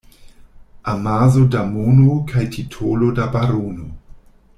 Amaso da mono kaj titolo de barono.